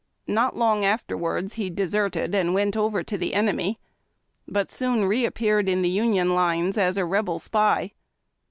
Not long afterwards he deserted and Avent over to the enemy, but soon reappeared in the Union lines as a Rebel spy.